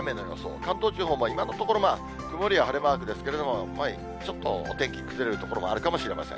関東地方も今のところ、曇りや晴れマークですけれども、ちょっとお天気崩れる所もあるかもしれません。